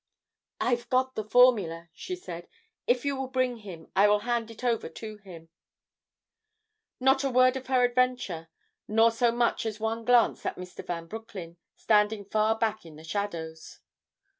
"I've got the formula," she said. "If you will bring him, I will hand it over to him here." Not a word of her adventure; nor so much as one glance at Mr. Van Broecklyn, standing far back in the shadows.